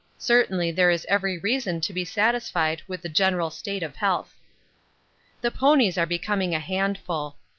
Certainly there is every reason to be satisfied with the general state of health. The ponies are becoming a handful.